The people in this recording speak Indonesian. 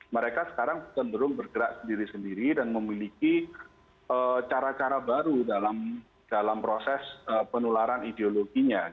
mereka sekarang cenderung bergerak sendiri sendiri dan memiliki cara cara baru dalam proses penularan ideologinya